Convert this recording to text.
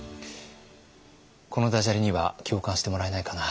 このダジャレには共感してもらえないかな。